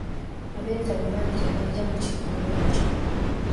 Abeetabi bangi abajja mu kivvulu ekyo.